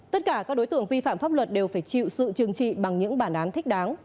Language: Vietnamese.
tất cả các đối tượng vi phạm pháp luật đều phải chịu sự trừng trị bằng những bản án thích đáng